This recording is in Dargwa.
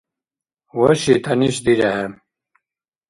Ваши тянишдирехӀе